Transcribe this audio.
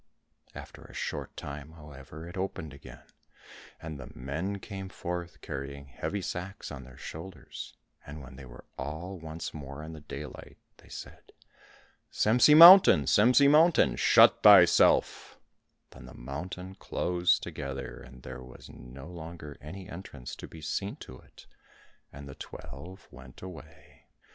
After a short time, however, it opened again, and the men came forth carrying heavy sacks on their shoulders, and when they were all once more in the daylight they said, "Semsi mountain, Semsi mountain, shut thyself;" then the mountain closed together, and there was no longer any entrance to be seen to it, and the twelve went away.